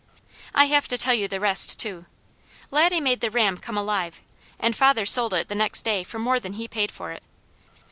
I have to tell you the rest, too. Laddie made the ram come alive, and father sold it the next day for more than he paid for it.